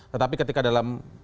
tetapi ketika dalam perjalanan